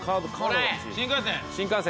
新幹線。